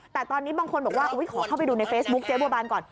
แต่ตอนนี้บางคนบอกว่าขอเข้าไปดูในเฟซบุ๊คเจ๊บัวบานก่อน